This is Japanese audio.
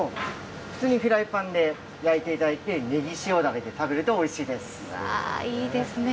普通にフライパンで焼いていただいて、ネギ塩だれで食べるといいですね。